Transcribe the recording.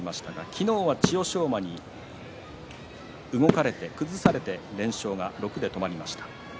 昨日は千代翔馬に動かれて、崩されて連勝が６で止まりました。